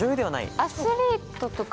アスリートとかでも？